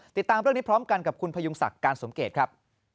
ติดตามเรื่องนี้พร้อมกันกับคุณพยุงศักดิ์การสมเกตครับ